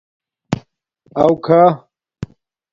اݸ کھݳ